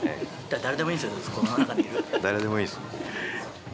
誰でもいいんです。